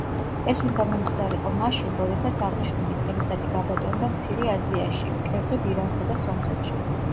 ეს უნდა მომხდარიყო მაშინ როდესაც აღნიშნული წელიწადი გაბატონდა მცირე აზიაში, კერძოდ ირანსა და სომხეთში.